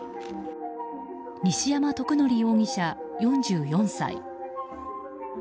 西山徳典容疑者、４４歳。